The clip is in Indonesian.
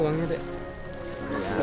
ini uangnya dek